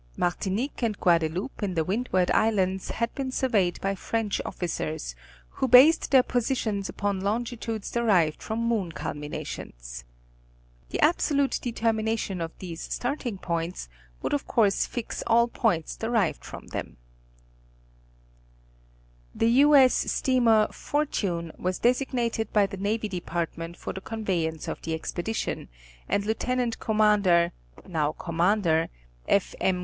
Martinique and Guadeloupe in the Windward Islands had been surveyed by French officers who based their positions upon longitudes derived from moon culminations. The absolute determination of these starting points would of course fix all points derived from them. 6 National Geographic Magazme. The U. 8. Steamer Fortune was designated by the Navy Department for the conveyance of the expedition, and Lieut. Commander (now Commander), F. M.